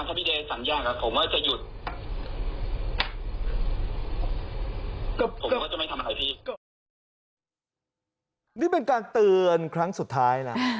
นี่เป็นการเตือนครั้งสุดท้ายนะ